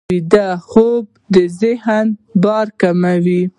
ویده خوب د ذهن بار کموي